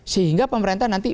sehingga pemerintah nanti